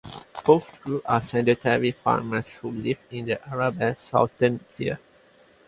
Both groups are sedentary farmers who live in the arable, southern tier.